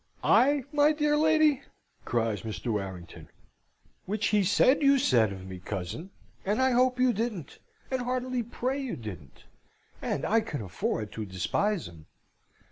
"I, my dear lady!" cries Mr. Warrington. "Which he said you said of me, cousin, and I hope you didn't, and heartily pray you didn't; and I can afford to despise 'em.